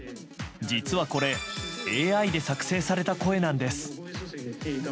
実はこれＡＩで作成された声なんです。